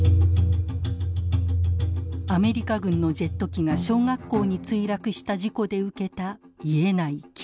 アメリカ軍のジェット機が小学校に墜落した事故で受けた癒えない傷。